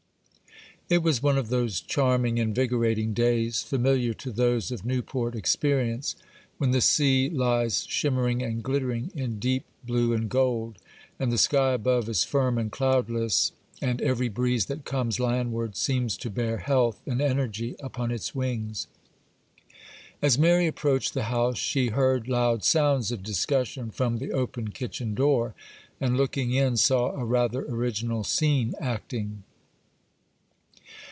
It was one of those charming, invigorating days, familiar to those of Newport experience, when the sea lies shimmering and glittering in deep blue and gold, and the sky above is firm and cloudless, and every breeze that comes landward seems to bear health and energy upon its wings. As Mary approached the house, she heard loud sounds of discussion from the open kitchen door, and, looking in, saw a rather original scene acting.